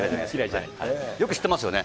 よく知ってますよね。